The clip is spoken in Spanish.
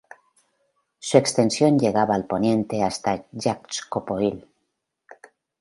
Su extensión llegaba al poniente hasta Yaxcopoil.